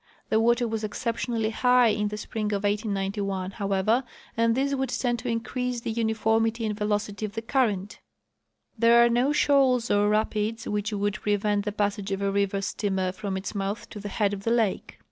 The water was exceptionally high in the spring of 1891, however, and this would tend to increase the uniformity and velocity of the current. There are no shoals or rapids which would prevent the passage of a river steamer from its mouth to the head of the lake.